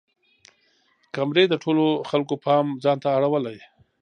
کمرې د ټولو خلکو پام ځان ته اړولی.